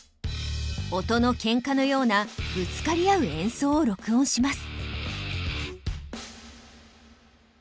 音の喧嘩のようなぶつかり合う演奏を録音します。